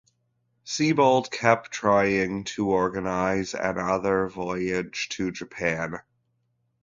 Siebold kept trying to organise an other voyage to Japan.